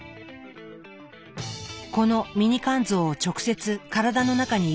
このミニ肝臓を直接体の中に入れてしまおうという。